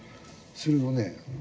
それをね